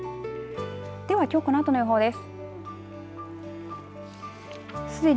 ではきょうこのあとの予報です。